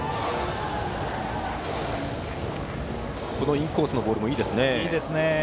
今のインコースのボールいいですね。